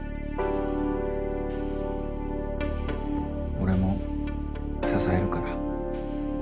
俺も支えるから。